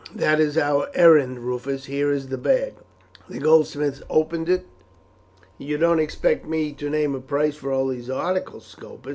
'" "That is our errand, Rufus. Here is the bag." The goldsmith opened it. "You don't expect me to name a price for all these articles, Scopus?